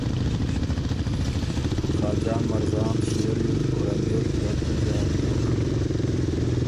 خاجان مرزام ݭيې ریوز ورندېر ګیرډ لګیا بیوک۔